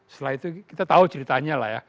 setelah itu kita tahu ceritanya lah ya